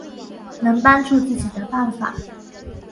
能帮助自己的办法